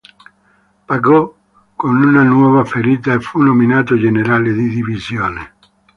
Pagò con una nuova ferita e fu nominato generale di divisione.